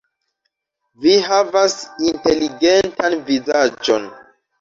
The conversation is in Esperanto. Vi havas inteligentan vizaĝon.